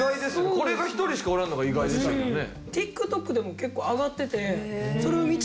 これが一人しかおらんのが意外でしたけどね。